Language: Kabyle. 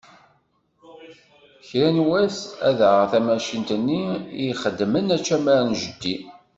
Kra n wass ad d-aɣeɣ tamacint-nni i d-ixeddmen acamar n jeddi.